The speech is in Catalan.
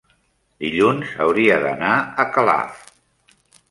dilluns hauria d'anar a Calaf.